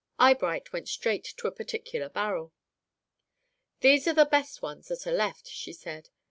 Eyebright went straight to a particular barrel. "These are the best ones that are left," she said.